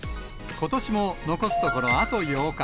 ことしも残すところあと８日。